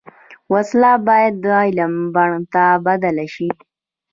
وسله باید د علم بڼ ته بدله شي